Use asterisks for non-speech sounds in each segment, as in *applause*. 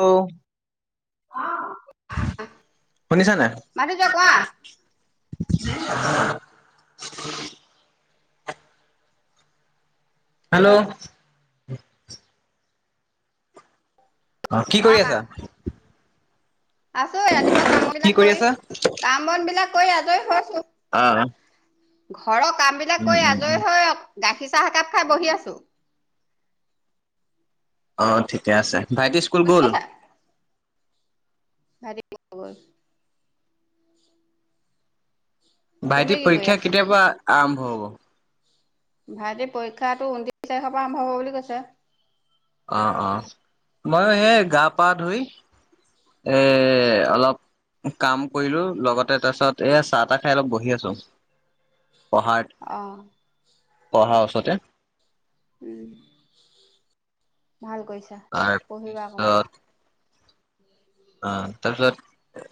অ। মাট যকোৱা। *unintelligible* হেল্ল'। অ কি কৰি আছা। আছো ৰাতিপুৱা কাম কি বিলাক কৰি আছা? কাম বন বিলাক কৰি আজৰি হৈছো অ ঘৰৰ কাম বিলাক কৰি আজৰি হৈ গাখীৰ চাহ একাপ খাই বহি আছো আহ ঠিকে আছে ভাইটি স্কুল গল বুজিছা গল তুমি ভাইটি কি কৰি পৰীক্ষা আছা কেতিয়াবা আৰম্ভ হব ভাইটি পৰীক্ষাতটো ঊনত্ৰিশ তাৰিখৰ পৰা আৰম্ভ হব বুলি কৈছে। অ অ মই সেই গা পা ধুই এ অলপ কাম কৰিলো লগতে তাৰপিছত এয়া চাহ তাহ খাই অলপ বহি আছো পঢ়াৰ আহঁ পঢ়াৰ ওচৰতে উ ভাল কৰিছা পঢ়িবা অকণমান। তাৰপিছত অ তাৰপিছত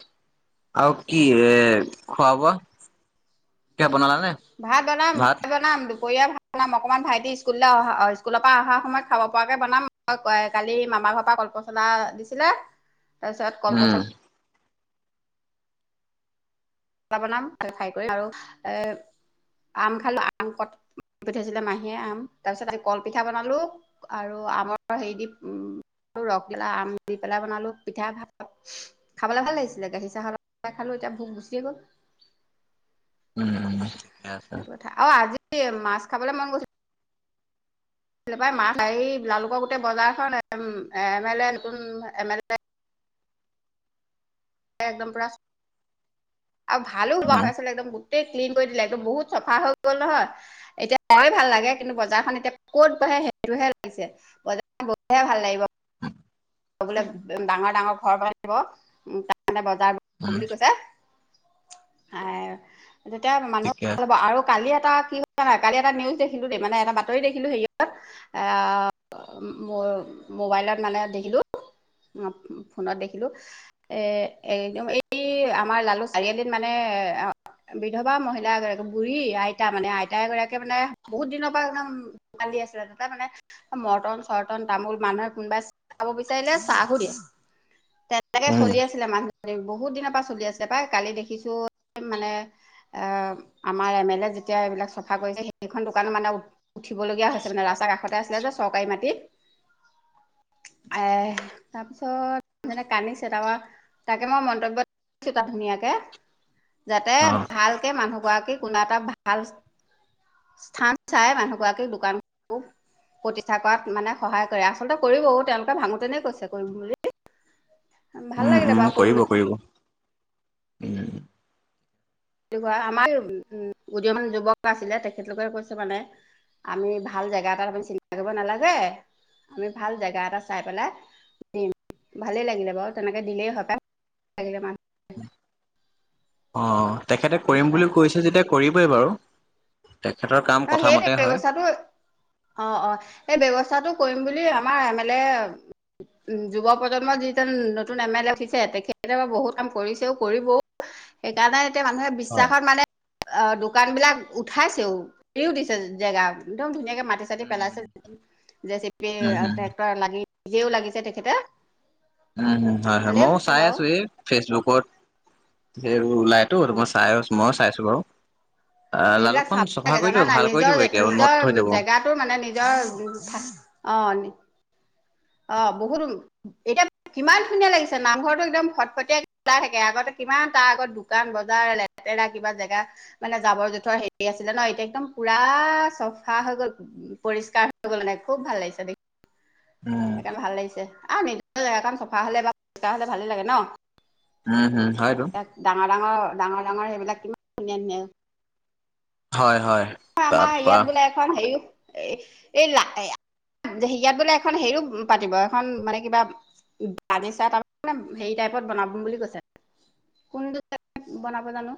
আৰু কি এ খোৱা বোৱা ক বনালা নে ভাত কৈয়া ভাল বনাম অকণমান ভাইটি স্কুললৈ অহা স্কুলৰ পৰা অহা সময়ত খাব পৰাকৈ বনাম কালি আমাৰ ঘৰৰ পৰা কলপচলা দিছিলে তাৰপিছত উম কলপচলা লা বনাম ফাই কৰি আৰু এ আম খালো আম কট পঠিয়াইছিলে মাহীয়ে আম তাৰ পিছত আ কলপিঠা বনালো আৰু আমাৰ হেৰি দি উ আৰু ৰসগলা আম দি পেলাই বনালোঁ পিঠা খাবলৈ ভাল লাগিছিলে গাখীৰ চাহৰ খালোঁ এতিয়া ভোক গুচিয়ে গ'ল উম ঠিকে আছে সেইটো কথা আৰু আজি মাছ খাবলৈ মন গৈছে মাছ হৰি লালুকৰ গোটেই বজাৰখন এম এল এ নতুন এমল এ একদম পুৰা আৰু ভালো বোৱা উম হৈ আছিলে একদম গ গোটেই ক্লিন কৰি দিলে একদ বহুত চফা হৈ গ'ল নহয় এতিয়া চ ভাল লাগে কিন্তু বজাৰখন এতিয়া ক'ত ব সেইটোহে লাগিছে বজাৰ গৈহে ভাল লাগিব। ডাঙৰ ডাঙৰ ঘৰ বনাই দিব তাৰে বজাৰ উম বুলি কৈছে। তেতিয়া মানুহ ঠিকে ভাল আছে হ'ব আৰু কালি এ এ কি নাই কালি এটা নিউজ দেখিলো দেই মানে এটা বাতৰি দেখিলো সেয়ত আহ মোবাইলত মানে দেখিলোঁ *unintelligible* অ ফোনত দেখিলো এদম এই আমাৰ লালু চাৰিআলিত মানে বিধৱা মহিলা এগৰাকী বুঢ়ী আইতা মানে আইতা এগৰাকে মানে বহুত দিনৰ পৰা একদম আছিলে তাতে মানে মৰটন চৰ্তন তামোল মানুহৰ কোনোবা চাব বিচাৰিলে চাহ খুুৰ তেনেকে উম চলি আছিলে মানুহ ধৰি বহুত দিনৰ পৰা চলি আছে পাই কালি দেখিছো মানে এ আমাৰ এম এল এ যেতিয়া এইবিলাক চফা কৰিছে সেইখন দোকান মানে উঠিবলগীয়া হৈছে মানে ৰাস্তাৰ কাষতে আছিলে যে চৰকাৰী মাটিত। এ তাৰপিছত মানে কান্দিছে তাৰপা তাকে মই মন্তব্য ধুনীয়াকে যাতে অ' ভালকে মানুহ গৰাকী কোনো এটা ভ ভাল স্থান চাই মানুহগৰাকী দোকান প্ৰতিষ্ঠা কৰাত মানে সহায় কৰে আচলতে কৰিব তেওঁলোকে ভাঙোতেনে কৈছে কৰিম বুলি ভাল উম লাগিলে উম বাৰু কৰিম কৰিব কৰিব উম আমাৰ উ উদীয়মান যুৱক আছিলে তেখেতলোকে কৈছে মানে আমি ভাল জেগা এটাত আপি চিন্তা কৰিব নালাগে। আমি ভাল জেগা এটা চাই পেলাই ওম ভালেই লাগিলে বাৰু, তেনেকে দিলেই হয় পাই অ' তেখেতে তাকেহে কৰিম পাই বুলি কৈছে যেতিয়া কৰিবই বাৰু। তেখেতৰ কাম অ' কথা মতে সেইটোৱে হয়। ব্যৱস্থাটো, অ' - অ সেই ব্যৱস্থাটো কৰিম বুলি আমাৰ এম এল এ উম, যুৱ প্ৰজন্মৰ যিজন নতুন এম এল এ উঠিছে, তেখেতে বাও বহুত কাম কৰিছেও কৰিবও। সেইকাৰণে এতিয়া মানুহে হয়। বিশ্বাসত মানে আ, দোকান বিলাক উঠাইছেও। দিও দিছে জেগা, একদম ধুনীয়াকে মাটি চাটি উম, পেলাইছে হুম, যেচিপি উম, আৰু হুম, টেক্টৰ লাগি, নিজেও লাগিছে তেখেতে। উম, হয়-হয়, ভালেই ময়ো হৈছে চাই বাৰু আছো এই ফেচবুকত সেই ওলাইটো, এটো অ মই চাই আছ মই চাইছো বাৰু। আহ, এইবিলাক লালুকখন চাব চফা লাগে কৰি জানা দিব নাই, ভাল কৰি দিব এতিয়া উন্নত হৈ নিজৰ-নিজৰ যাব। জেগাটো মানে নিজৰ অঁ নি অ' বহুত এতিয়া কিমান ধুনীয়া লাগিছে, নামঘৰটো একদম ফটকটীয়াকে ওলাই থাকে, আগতে কিমান তাৰ আগত দোকান বজাৰ লেতেৰা কিবা জেগা, মানে জাবৰ জোথৰ হেৰি আছিলে ন এতিয়া একদম পুৰা চফা হৈ গ'ল। উম সেইকাৰণে ভাল লাগিছে, আৰু নিজৰ জেগাকন চফা হলে বা পৰিষ্কাৰ হ'লে ভালেই লাগে ন। উম, হুম, হয়তো ইয়াত, ডাঙৰ ডাঙৰ- ডাঙৰ- ডাঙৰ সেইবিলাক কিমান ধুনীয়া-ধুনীয়া হয়, হয়, আমাৰ তাৰপা ইয়াত বোলে এখন হেৰি এই এই লা হেৰিয়াত বোলে এখন হেৰিও পাতিব, এখন মানে কিবা বানি চাই তাৰ মানে হেৰি টাইপত বনাব বুলি কৈছে। কোনটো বনাব জানো,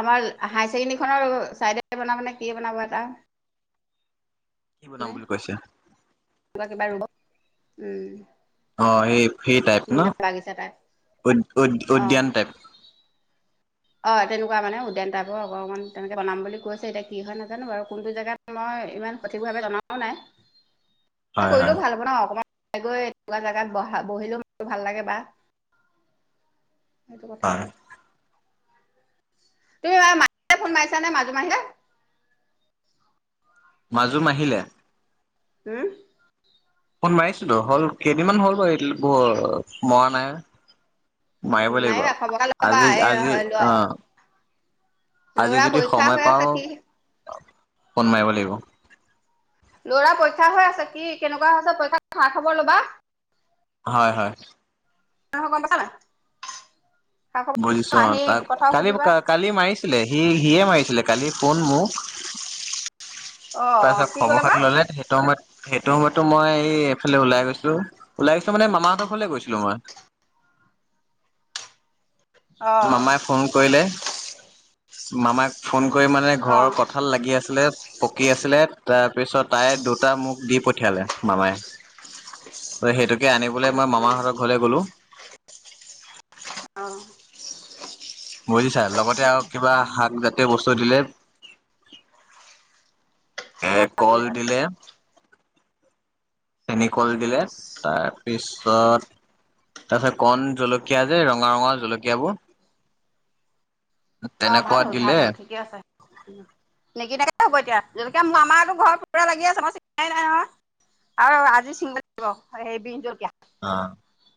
আমাৰ হায় ছেকেণ্ডেৰীখনৰ ছাইডে বনাবনে কিয়ে বনাব এটা। কি বনাম মানে বুলি কৈছে। উম। অ' সেই- সেই টাইপ ন, ধুনীয়া বাগিচা টাইপ উইদ- উইড অ উদ্যান টাইপ। অ' তেনেকুৱা মানে উদ্যান টাইপৰ অকমান তেনেকে বনাম বুলি কৈছে এতিয়া কি হয় নাজানো বাৰু, কোনটো জেগাত মই ইমান সঠিক ভাৱে জনাও নাই, হয়, কৰিলেও হয়, ভাল বনাওঁ অকমান গৈ এনেকুৱা জেগাত বহা বহিলেও মনটো ভাল লাগে বা সেইটো কথা। হয়, তুমি বাৰু মাহীলে ফোন মাৰিছা নে মাজু মাহী? মাজু মাহীলে? উম ফোন মাৰিছিলো হ'ল কেইদিনমান হ'ল *unintelligible* মৰা নাই। মাৰিব লাগিব, মাৰিবা খবৰ এটা ল'বা আজি- এই আজি আহ। আজি ল'ৰা যদি পৰীক্ষা সময় হৈ আছে পাওঁ কি ফোন মাৰিব লাগিব। ল'ৰাৰ পৰীক্ষা হৈ আছে, কি কেনেকুৱা হৈছে পৰীক্ষা খা খবৰ ল'বা। হয়-হয়। *unintelligible* গম পাইছা নাই। খা খবৰ বুজিছোঁ অহ আহি তাক কথাও কালি- সুধিবা কালি মাৰিছিলে সি- সিয়ে মাৰিছি লে কালি ফোন মোক অ অ তাৰপাছত কি খবৰ ক'লে বা খাটি ল'লে, সেইটো সময়ত- সেইটো সময়তটো মই এই -এইফালে ওলাই গৈছো লো, ওলাই গৈছিলোঁ মানে মামাহঁতৰ ঘৰলে গৈছিলো মই। অ মামাই ফোন কৰিলে মামাক ফোন কৰি মানে অ ঘৰৰ কঁঠাল লাগি আছিলে পকি আছিলে তাৰপিছত তায়ে দুটা মোক দি পঠিয়ালে মামাই। সেইটোকে আনিবলৈ মই মামাহঁতৰ ঘৰলে গ'লো। অহ ', বুজিছা লগতে আৰু কিবা শাক জাতীয় বস্তু দিলে। ভাল এ'কল কৰিলা দিলে। চেনিকল দিলে তাৰ পিছত তাৰপিছত কন জলকীয়া যে ৰঙা- ৰঙা জলকীয়াবোৰ তেনেকৱা দিলে। *unintelligible* নিকিনাকে হব এতিয়া যেনেকে *unintelligible* আৰু আজি চিঙব লাগব সেই বিন, জলকীয়া। অ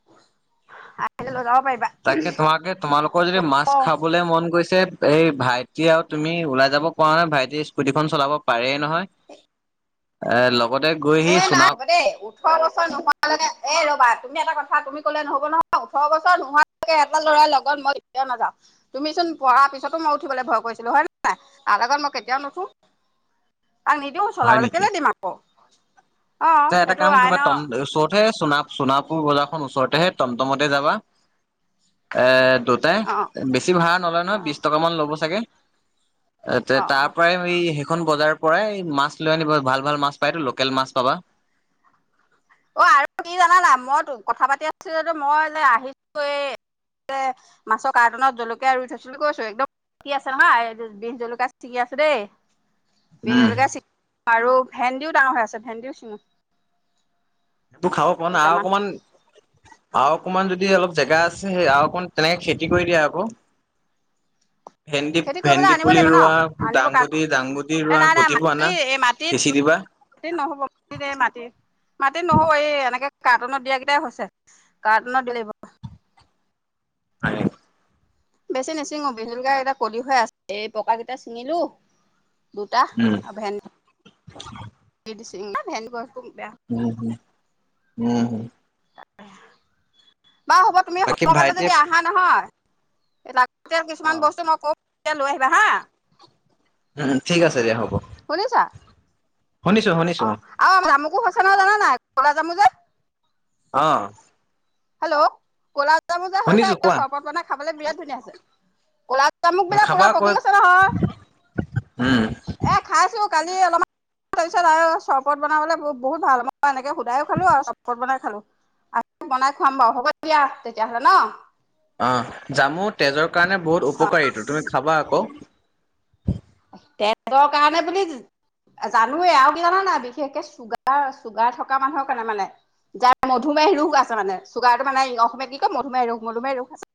*unintelligible* তাকে তোমাকে তোমালোকৰ যদি মাছ অ খাবলৈ মন গৈছে এই ভাইটি আৰু তুমি ওলাই যাব পৰা নাই ভাইটি স্কুটিখন চলাব পাৰেই নহয়। এ' লগ এ'নাই হ'ব দে ওঠৰ বছৰ নোহোলেনে এ' ৰ'বা তুমি এটা কথা তুমি কলে নহ'ব নহ ওঠৰ বছৰ নোহোৱকে এটা ল'ৰাৰ লগত মই কেতিয়াও নাযাওঁ তুমি চোন পঢ়াৰ পিছতো মই উঠিবলৈ ভয় কৰিছিলো হয় নে নাই তাৰ লগত মই কেতিয়াও নুঠো। *inaudible* তাক নিদিও হয় চলাবলে নেকি কেলে দিম আকৌ। অ তে এটা সেইটো কাম কৰিবা আইনৰ অ তম শো *unintelligible* সোণাপুৰ বজাৰখন ওচৰতেহে টমটমতে যাবা এ' দুটাই অ বেছি ভাঢ়া নলয় নহয় বিছ টকামান ল'ব চাগে। এ' তে অ অ তাৰ পৰাই হৈ এইখন বজাৰৰ পৰাই মাছ লৈ আনিব ভাল- ভাল মাছ পায়তো লোকেল মাছ পাবা। অ', আৰু কি জানানা মইতো কথা পাতি আছিলোটো মই যে আহিছো এ তে মাছৰ কাৰ্টুনত জলকীয়া ৰুই থৈছিলো কৈছো একদম সি আছে নহয় আই বিন জলকিয়া ছিঙি আছে দেই। বিন উম জলকীয়া *unintelligible* আৰু ভেন্দিও ডাঙৰ হৈ আছে ভেন্দিও চিঙো এইবোৰ খাব পোৱা না আৰু অকমান আৰু অকমান যদি অলপ জেগা আছে সেই আৰু অকমান তেনেকে খেতি কৰি দিয়া আকৌ। ভেন্দি খেতি কৰিবলৈ -ভেন্দি আনিব পুলি লাগিব ন ৰোৱা, আনিব কাৰ দাংগুটি -দাংগুটি এ ৰোৱা, গুটিবো আনা সিঁচি দিবা। গোটেই নহব *unintelligible* মাটিৰ মাতি, নহৰু এই এনেকে কাৰ্টুনত দিয়াকেইটাই হৈছে কাৰ্টুনত দিলেই হয়। বেছি নিচিং অভুল গা এটা কলিহ হৈ আছে এই পকা কেইটা চিঙিলো দুটা আৰু ভেন হয়। মিচিং ভেনকৰৰ *unintelligible* উম, হম, উম, হুম। বাৰু হ'ব তুমি বাকী শুক্ৰ বাৰলৈ ভাইটিয়ে যদি আহা নহয় অ কিছুমান বস্তু মই কওঁ লৈ আহিবা হা। উম ঠিক আছে দিয়া হ'ব শুনিছা, শুনিছো শুনিছো অ। অ আৰু আ আমুকো সচ ন জানা নাই ক'লা জামু যে অহ। হেল্ল' কলাজামো যো হৈছে কোৱা চৰ্বত বনাই খাবলে বিৰাট ধুনীয়া হৈছে কলা জামোক বিলাক পুৰা খাবা পকি কৈ গৈছে নহয়। উম এ খাইছো কালি অলপমান ত আৰু চৰবত বনাবলৈ বহুত ভাল মই এনেকে সুধায়ো খালো আৰু চৰবত বনাই খালো আ বনাই খুৱাম বাৰু হ'ব দিয়া তেতিয়াহলে ন। অ জামু তেজৰ কাৰণে বহুত উপকাৰীটো তুমি খাবা আকৌ। পেটৰ কাৰণেও বুলি। জানোৱেই আৰু কি জানা নাই বিশেষকে চুগাৰ চুগাৰ থকা মানুহৰ কাৰণে মানে। যাৰ মধুমেহ ৰোগ আছে মানে, চুগাৰটো মানে অ অসমিয়াত কি কয় মধুমেহ ৰোগ মধুমেহ ৰোগ আছে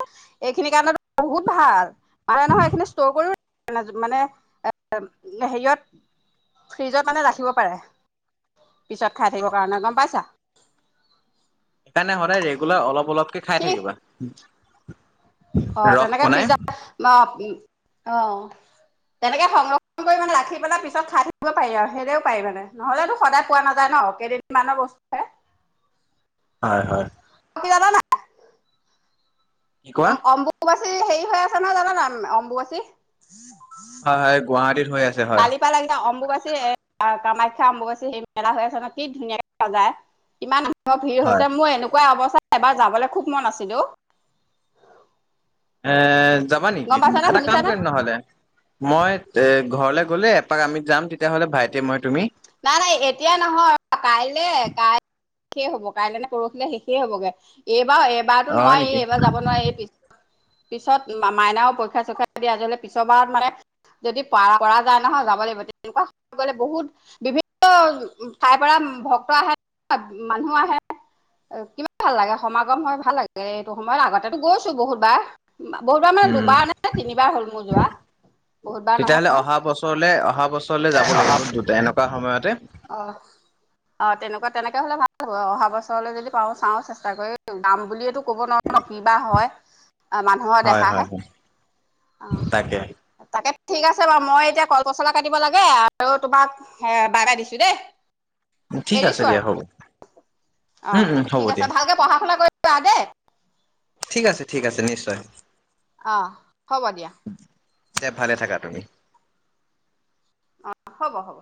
এইখিনি কা ৰনে বহুত ভাল মানে নহয় এইখিনি ষ্টৰ কৰি মানে এ হেৰিয়ত ফ্ৰিজত মানে ৰাখিব পাৰে। পিছত খাই থাকিবৰ কাৰণে, গম পাইছা? সেইকাৰণে সদায় ৰেগুলাৰ অলপ অলপকে খাই ঠিক থাকিবা। অ ৰস তেনেকে বনাই। পিজ্জা অ, তেনেকে সংৰক্ষণ কৰি মানে ৰাখি পেলাই পিছত খাই থাকিব পাৰি আৰু। সেইদৰে পাৰি মানে, নহ'লেতো সদায় পোৱা নাযায় ন। অ কেইদিনমানৰ বস্তু হে। হয় হয়। ালা ন *unintelligible* কি কোৱা? হেৰি হৈ আছে নহয় জানা নাই অম্বুবাচী? হয় হয় গুৱাহাটীত। হৈ আছে হয়। কালি পাল লাগ *unintelligible* অম্বুবাচী এ কামাখ্যা অম্বুবাচী সেই মেলা হৈ আছে ন, কি ধুনীয়াকে সজায় কিমান ভিৰ হয়। হৈছে। মোৰ এনেকুৱা অৱস্থাত এবাৰ যাবলৈ খুব মন আছিলে অ। এ যাবা নেকি? গম পাইছা নে এটা শুনিছা কাম নে কৰিম নহলে, মই ঘৰলে গ'লে এপাক আমি যাম তেতিয়াহ'লে ভাইটি, মই তুমি। নাই নাই এতিয়াই নহয় কাইলে কাই - শেষেই হব কাইলৈ নে পৰহিলে শেষেই হ'বগে। এই বাৰ এবাৰতো অ', হয় নোৱাৰি, নেকি এইবাৰ যাব নোৱাৰি। পিছত পিছত মাইনাও পৰীক্ষা চৰীক্ষা দিয়াজলে *unintelligible* পিছৰবাৰত মানে যদি পাৰা যায় নহয় যাব লাগিব। তেনেকুৱা গলে বহুত বিভিন্ন ঠাইৰ পৰা ভক্ত আহে মানুহ আহে। কিমান ভাল লাগে সমাগম হৈ ভাল লাগে এইটো সময়ত। আগতে গৈছো বহুতবাৰ। বহুতবাৰ মানে উম। দুবাৰ নে তিনিবাৰ হ'ল মোৰ যোৱা। বহুতবাৰ তেতিয়াহলে নহয় অহা বছৰলে অহা বছৰলে যাব লাগিব দুটাই। এনেকুৱা সময়ত অহ। অ তেনেকুৱা তেনেকে হলে ভাল হব। অহা বছৰলৈ যদি পাওঁ চাওঁ চেষ্টা কৰি যাম বুলিয়েতো, ক'ব নোৱাৰো, কিবা হয় মানুহৰ হয়, দেহাহে। হয়, হয়। অ তাকে তাকে। ঠিক আছে বাৰু, মই এতিয়া কলপচলা কাটিব লাগে আৰু তোমাক বাই বাই দিছো দেই। ঠিক আছে এৰিছো আৰু। দিয়া হ'ব অ উম, উম হ'ব ঠিক আছে দিয়া ভালকে পঢ়া শুনা কৰি- প দে ঠিক আছে ঠিক আছে নিশ্চয়। অহ হ'ব দিয়া। দে ভালে থাকা তুমি। অ হ'ব হ'ব।